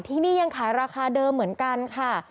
ที่นี่ยังขายราคาเดิมเหมือนกันค่ะ